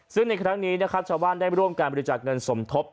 ซึ่งในครั้งนี้นะครับชาวบ้านได้ร่วมการบริจาคเงินสมทบ